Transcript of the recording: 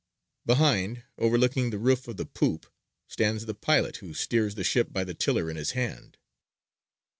Behind, overlooking the roof of the poop, stands the pilot who steers the ship by the tiller in his hand.